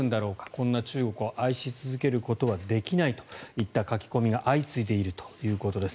こんな中国を愛し続けることはできないといった書き込みが相次いでいるということです。